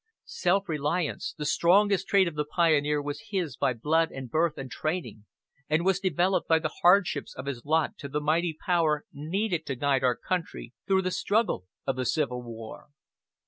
Self reliance, the strongest trait of the pioneer was his by blood and birth and training, and was developed by the hardships of his lot to the mighty power needed to guide our country through the struggle of the Civil War.